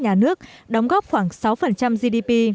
nhà sản xuất